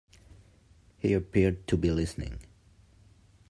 He appeared to be listening.